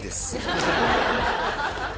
ハハハハ！